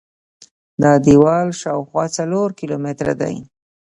دا دیوال شاوخوا څلور کیلومتره دی.